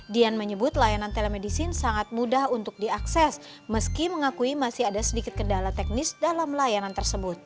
dian menyebut layanan telemedicine sangat mudah untuk diakses meski mengakui masih ada sedikit kendala teknis dalam layanan tersebut